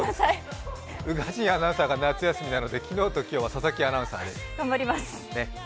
宇賀神アナウンサーが夏休みなので、昨日と今日は佐々木アナウンサーが入っています。